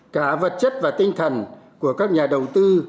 cả vật chất và tinh thần của các nhà đầu tư